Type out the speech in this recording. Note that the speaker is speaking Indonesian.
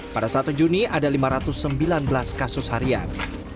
pada satu juni ada lima ratus sembilan belas kasus harian